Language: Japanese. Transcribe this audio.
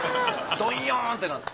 ドヨーンってなって。